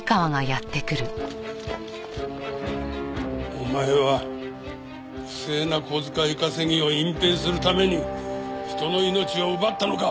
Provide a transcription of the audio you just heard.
お前は不正な小遣い稼ぎを隠蔽するために人の命を奪ったのか！？